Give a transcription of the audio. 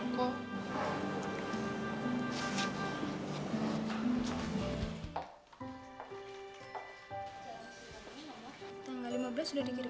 tanggal lima belas sudah dikirim